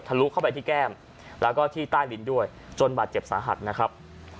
ลุเข้าไปที่แก้มแล้วก็ที่ใต้ลิ้นด้วยจนบาดเจ็บสาหัสนะครับ